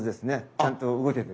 ちゃんと動けてる。